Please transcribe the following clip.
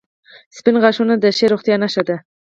• سپین غاښونه د ښې روغتیا نښه ده.